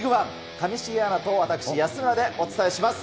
上重アナと私、安村でお伝えします。